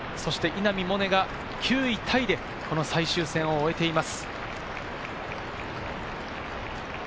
稲見萌寧が９位タイで最終戦を終えています。